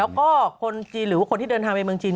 แล้วก็คนจีนหรือว่าคนที่เดินทางไปเมืองจีน